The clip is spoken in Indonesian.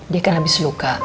dia kan abis luka